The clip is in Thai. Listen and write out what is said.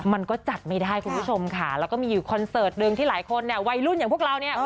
มันก็จัดไม่ได้คุณผู้ชมค่ะแล้วก็มีอยู่คอนเสิร์ตหนึ่งที่หลายคนเนี่ยวัยรุ่นอย่างพวกเราเนี่ย